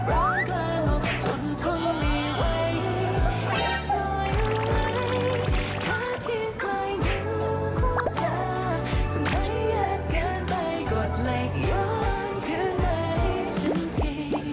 เพื่อนไว้ทั้งที